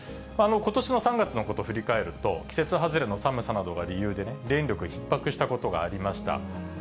ことしの３月のことを振り返ると、季節外れの寒さなどが理由で電力ひっ迫したことがありました。